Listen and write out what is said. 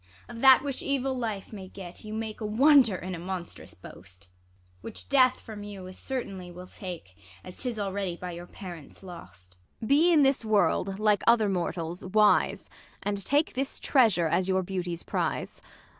ISAB. Of that which evil life may get, you make A wonder in a monstrous boast ; Which death from you as certainly will take, As 'tis already by your parents lost. Ang. Be in this world, like other mortals, wise ; And take this treasure as your beauty's prize.